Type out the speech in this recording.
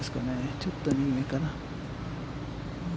ちょっと右かな。